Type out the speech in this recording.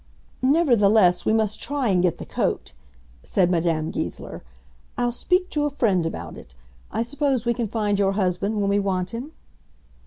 "Nevertheless we must try and get the coat," said Madame Goesler. "I'll speak to a friend about it. I suppose we can find your husband when we want him?"